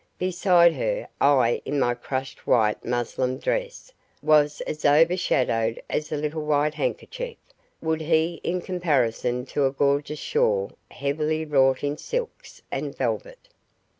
Beside her, I in my crushed white muslin dress was as overshadowed as a little white handkerchief would be in comparison to a gorgeous shawl heavily wrought in silks and velvet.